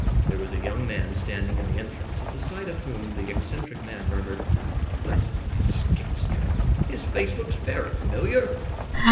There was a young man standing in the entrance, at the sight of whom the eccentric man murmured: "Bless my skate strap! His face looks very familiar!"